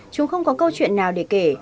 chúng không có câu chuyện nào để kể